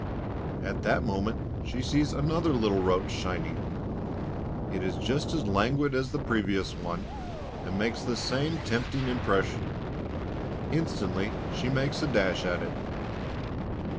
At that moment she sees another little roach shining. It is just as languid as the previous one, and makes the same tempting impression. Instantly she makes a dash at it.